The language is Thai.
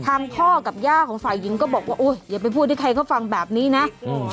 ทางพ่อกับย่าของฝ่ายหญิงก็บอกว่าโอ้ยอย่าไปพูดให้ใครเขาฟังแบบนี้นะอืม